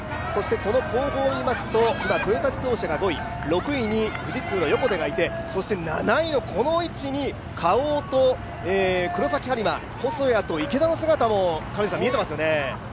その後方を見ますと、今トヨタ自動車が５位、６位に富士通の横手がいてそして７位のこの位置にＫａｏと黒崎播磨、細谷と池田の姿も見えていますよね。